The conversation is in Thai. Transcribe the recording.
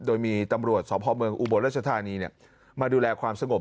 โดยมีตำรวจสพเมืองอุบลรัชธานีมาดูแลความสงบ